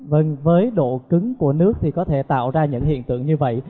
vâng với độ cứng của nước thì có thể tạo ra những hiện tượng như vậy